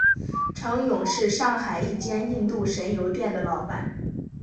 程勇是上海一间印度神油店的老板。